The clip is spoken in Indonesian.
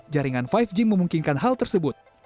jaringan lima g memungkinkan hal tersebut